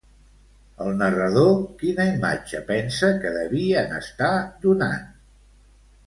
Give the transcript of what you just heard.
El narrador quina imatge pensa que devien estar donant?